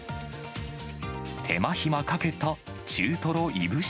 手間暇かけた中トロいぶし